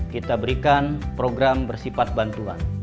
kita berikan program bersifat bantuan